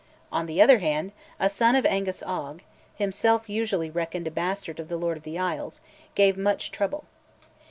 On the other hand, a son of Angus Og, himself usually reckoned a bastard of the Lord of the Isles, gave much trouble.